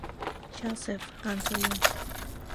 Joseph Antolín.